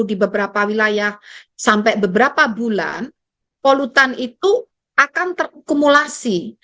di beberapa wilayah sampai beberapa bulan polutan itu akan terkumulasi